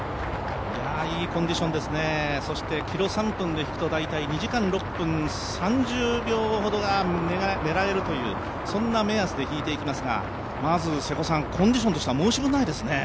いいコンディションですね、キロ３分で引くと大体２時間６分３０秒ほどが狙えるという、そんな目安で引いていきますがまずコンディションとしては申し分ないですね。